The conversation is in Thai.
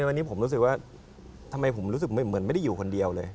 วันนี้ผมรู้สึกว่าทำไมผมรู้สึกเหมือนไม่ได้อยู่คนเดียวเลย